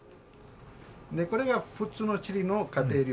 これが普通のチリの家庭料理。